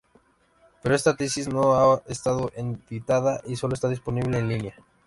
Pero esta tesis no ha estado editada, y sólo está disponible en línea.